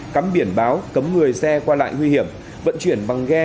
cấm biển báo cấm người xe qua lại nguy hiểm vận chuyển băng ghe